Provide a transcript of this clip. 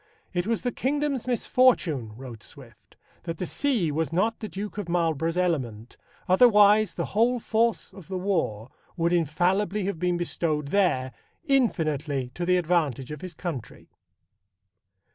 "It was the kingdom's misfortune," wrote Swift, "that the sea was not the Duke of Marlborough's element, otherwise the whole force of the war would infallibly have been bestowed there, infinitely to the advantage of his country."